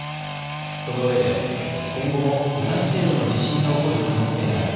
そのうえで今後も同じ程度の地震が起こる可能性がある。